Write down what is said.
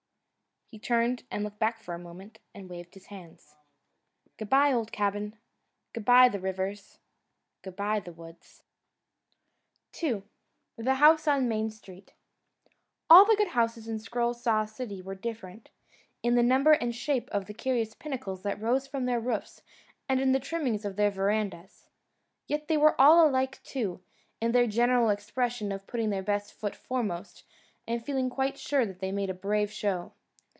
He turned to look back for a moment, and waved his hand. "Good bye, old cabin! Good bye, the rivers! Good bye, the woods!" II The House on the Main Street All the good houses in Scroll Saw City were different, in the number and shape of the curious pinnacles that rose from their roofs and in the trimmings of their verandas. Yet they were all alike, too, in their general expression of putting their best foot foremost and feeling quite sure that they made a brave show.